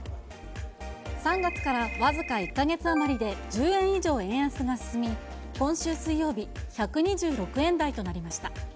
３月から僅か１か月余りで１０円以上円安が進み、今週水曜日、１２６円台となりました。